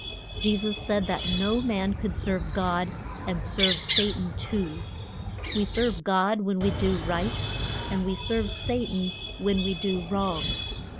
Je sus said that no man could serve God and serve Sa tan too. We serve God when we do right; and we serve Sa tan when we do wrong.